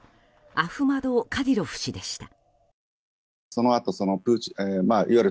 アフマド・カディロフ氏でした。